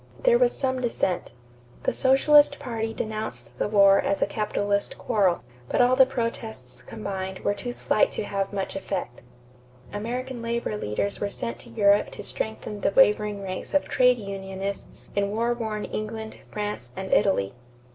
There was some dissent. The Socialist party denounced the war as a capitalist quarrel; but all the protests combined were too slight to have much effect. American labor leaders were sent to Europe to strengthen the wavering ranks of trade unionists in war worn England, France, and Italy.